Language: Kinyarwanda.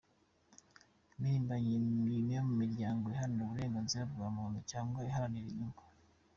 Impirimbanyi mu miryango iharanira uburenganzira bwa muntu cyangwa idaharanira inyungu